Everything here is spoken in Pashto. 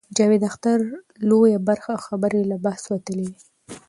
د جاوید اختر لویه برخه خبرې له بحث وتلې وې.